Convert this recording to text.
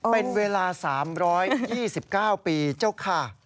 เป็นเวลา๓๒๙ปีเจ้าค่ะ